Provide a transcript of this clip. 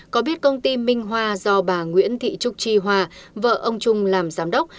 có biết công ty minh hoa do bà nguyễn thị trúc tri hoa vợ ông trung làm giám đốc